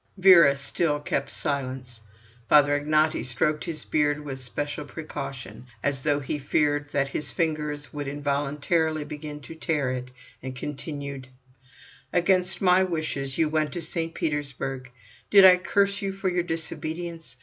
Vera still kept silence. Father Ignaty stroked his beard with special precaution, as though he feared that his fingers would involuntarily begin to tear it, and continued: "Against my wishes you went to St. Petersburg—did I curse you for your disobedience?